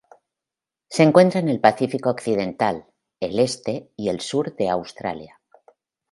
Se encuentra en el Pacífico occidental: el este y el sur de Australia.